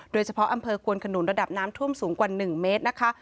โดยเฉพาะอำเภอควนขนุนระดับน้ำท่วมสูงกว่า๑เมตรนะคะ